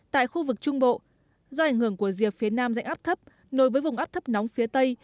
tại khu vực trung bộ do ảnh hưởng của rìa phía nam dạnh áp thấp nối với vùng áp thấp nóng phía tây